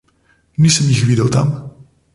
Nisem jih videl tam.